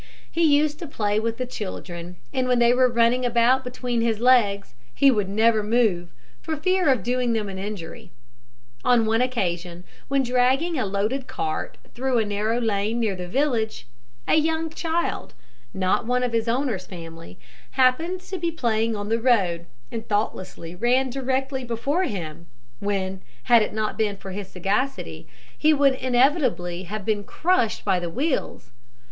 He used to play with the children, and when they were running about between his legs he would never move, for fear of doing them an injury. On one occasion, when dragging a loaded cart through a narrow lane near the village, a young child, not one of his owner's family, happened to be playing on the road, and thoughtlessly ran directly before him, when, had it not been for his sagacity, it would inevitably have been crushed by the wheels.